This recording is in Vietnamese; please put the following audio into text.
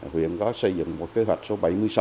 huyện có xây dựng một kế hoạch số bảy mươi sáu